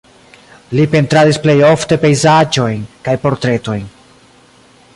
Li pentradis plej ofte pejzaĝojn kaj portretojn.